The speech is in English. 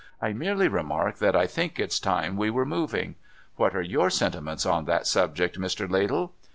I merely remark that I think it's time we were moving. What are yojtr sentiments on that subject, Mr. Ladle